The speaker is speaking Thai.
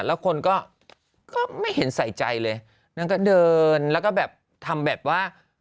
แล้วคนก็ไม่เห็นใส่ใจเลยนางก็เดินแล้วก็แบบทำแบบว่า